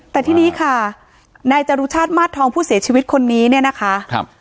แต่ทีนี้ค่ะนายจรุชาติมาสทองผู้เสียชีวิตคนนี้เนี่ยนะคะครับ